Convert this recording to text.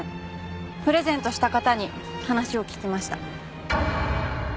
プレゼントした方に話を聞きました。